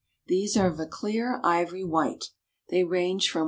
These are of a clear ivory white. They range from 1.